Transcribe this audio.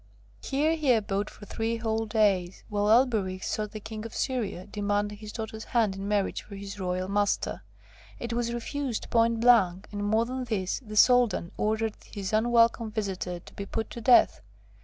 Here he abode for three whole days, while Elberich sought the King of Syria, demanding his daughter's hand in marriage for his royal master. It was refused point blank, and, more than this, the Soldan ordered his unwelcome visitor to be put to death.